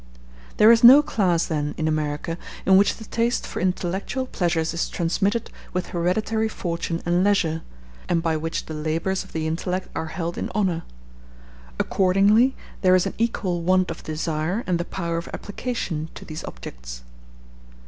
There is no class, then, in America, in which the taste for intellectual pleasures is transmitted with hereditary fortune and leisure, and by which the labors of the intellect are held in honor. Accordingly there is an equal want of the desire and the power of application to these objects.